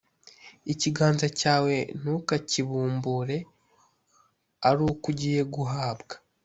Ikiganza cyawe, ntukakibumbure ari uko ugiye guhabwa